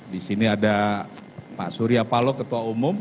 disini ada pak surya paloh ketua umum